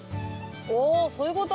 おそういうこと？